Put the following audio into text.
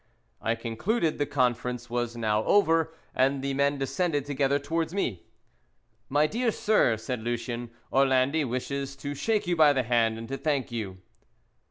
I concluded the conference was now over, and the men descended together towards me. "My dear, sir," said Lucien, "Orlandi wishes to shake you by the hand, and to thank you."